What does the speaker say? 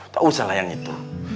tak usah lah yang itu